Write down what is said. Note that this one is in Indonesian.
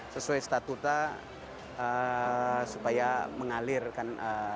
sesuai statuta supaya mengalir kan